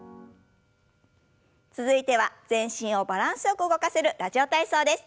続いては全身をバランスよく動かせる「ラジオ体操」です。